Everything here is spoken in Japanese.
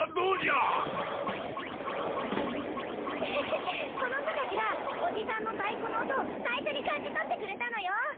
うふふっこの子たちがおじさんの太鼓の音を最初に感じ取ってくれたのよ。